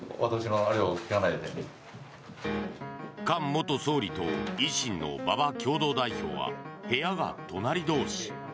菅元総理と維新の馬場共同代表は部屋が隣同士。